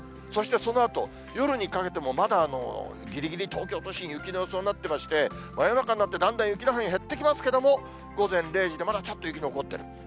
そしてそのあと、夜にかけても、まだぎりぎり、東京都心、雪の予想になっていまして、真夜中になってだんだん雪の範囲減ってきますけれども、午前０時でまだちょっと雪残ってる。